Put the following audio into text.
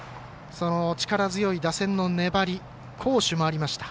力強い打線の粘り好守もありました。